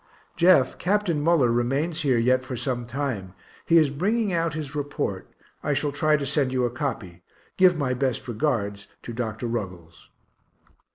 Jeff, Capt. Muller remains here yet for some time. He is bringing out his report. I shall try to send you a copy. Give my best respects to Dr. Ruggles.